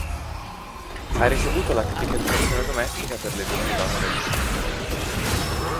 Ha ricevuto la tipica educazione domestica per le giovani donne del suo tempo.